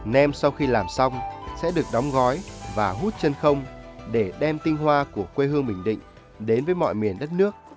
nem sau khi làm xong sẽ được đóng gói và hút chân không để đem tinh hoa của quê hương bình định đến với mọi miền đất nước